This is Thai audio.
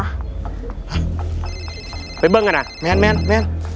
ห้าไปบ้งกันน่ะแม่นแม่นแม่น